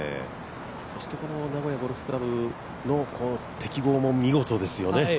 そして名古屋ゴルフ倶楽部の適合も見事ですよね。